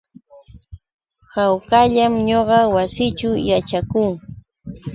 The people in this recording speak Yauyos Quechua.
Hawkallam ñuqa wasiićhu yaćhakuu.